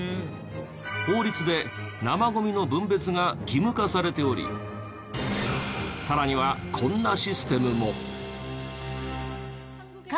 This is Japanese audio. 法律で生ゴミの分別が義務化されておりさらにはこんなシステムも。